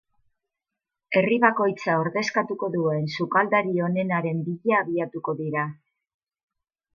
Herri bakoitza ordezkatuko duen sukaldari onenaren bila abiatuko dira.